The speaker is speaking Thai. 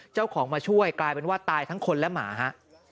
เจ้าของมาช่วยกลายเป็นว่าตายทั้งคนและหมาฮะ